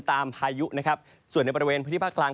พายุนะครับส่วนในบริเวณพื้นที่ภาคกลาง